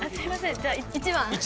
じゃあ１番。